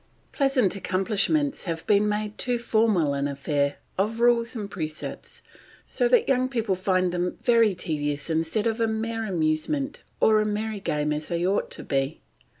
Pleasant accomplishments have been made too formal an affair of rules and precepts, so that young people find them very tedious instead of a mere amusement or a merry game as they ought to be.